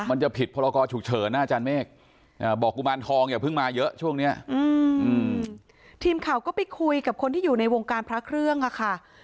มันจะผิดพลกฉุกเฉินนะอาจารย์เมฆ